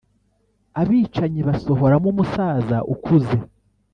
abicanyi basohoramo umusaza ukuze